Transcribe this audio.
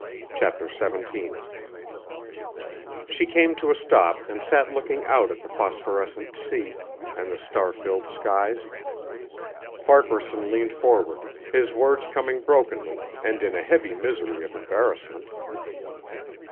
CHAPTER XVII She came to a stop and sat looking out at the phosphorescent sea and the star filled skies. Farquaharson leaned forward, his words coming brokenly and in a heavy misery of embarrassment.